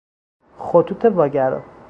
خطوط واگرا